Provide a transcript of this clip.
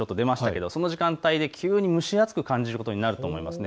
急に蒸し暑く感じることになると思います。